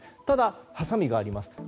ただ、はさみがあります。